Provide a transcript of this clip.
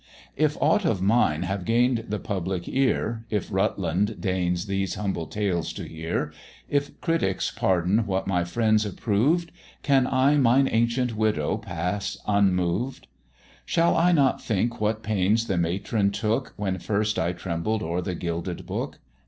If aught of mine have gain'd the public ear; If RUTLAND deigns these humble Tales to hear; If critics pardon what my friends approved; Can I mine ancient Widow pass unmoved? Shall I not think what pains the matron took, When first I trembled o'er the gilded book?